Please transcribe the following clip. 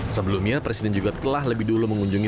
sebelumnya presiden juga telah lebih dulu mengunjungi